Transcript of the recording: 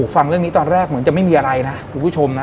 ฟังเรื่องนี้ตอนแรกเหมือนจะไม่มีอะไรนะคุณผู้ชมนะ